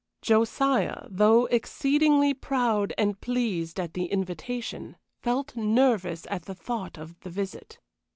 Josiah, though exceedingly proud and pleased at the invitation, felt nervous at the thought of the visit.